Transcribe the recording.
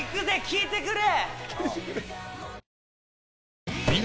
聞いてくれ。